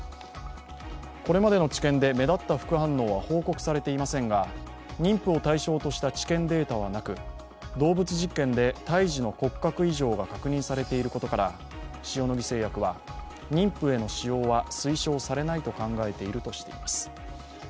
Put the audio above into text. これまでの治験で目立った副反応は報告されていませんが妊婦を対象とした治験データはなく動物実験で胎児の骨格異常が確認されていることから塩野義製薬は、妊婦への使用は推奨されないと考えているとしています。